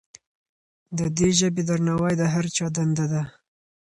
د دې ژبې درناوی د هر چا دنده ده.